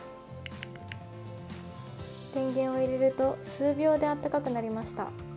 電源を入れると数秒であったかくなりました。